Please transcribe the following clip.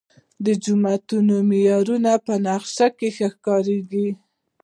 د جوماتونو مینارونه په نقاشۍ ښکلي کیږي.